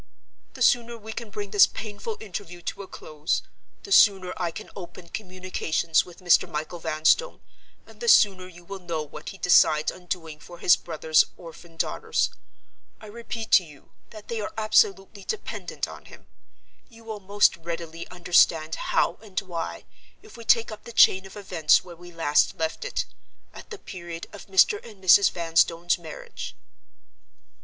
The sooner we can bring this painful interview to a close, the sooner I can open communications with Mr. Michael Vanstone, and the sooner you will know what he decides on doing for his brother's orphan daughters. I repeat to you that they are absolutely dependent on him. You will most readily understand how and why, if we take up the chain of events where we last left it—at the period of Mr. and Mrs. Vanstone's marriage."